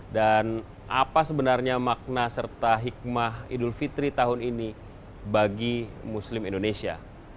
apa sebenarnya makna serta hikmah idul fitri tahun ini bagi muslim indonesia